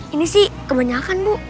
ini sih kebanyakan bu